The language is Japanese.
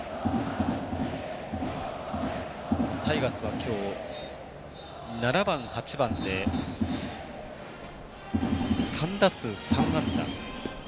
タイガースは、今日７番、８番で３打数３安打。